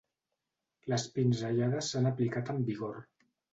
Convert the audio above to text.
Les pinzellades s'han aplicat amb vigor.